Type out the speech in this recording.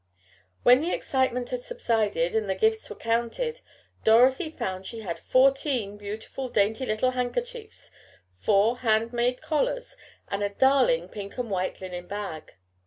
When the excitement had subsided, and the gifts were counted, Dorothy found she had fourteen beautiful dainty little handkerchiefs, four hand made collars, and a darling pink and white linen bag.